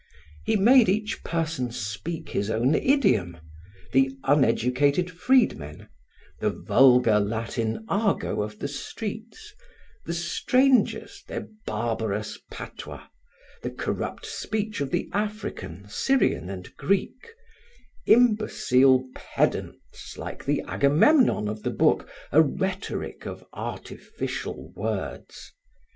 He made each person speak his own idiom: the uneducated freedmen, the vulgar Latin argot of the streets; the strangers, their barbarous patois, the corrupt speech of the African, Syrian and Greek; imbecile pedants, like the Agamemnon of the book, a rhetoric of artificial words.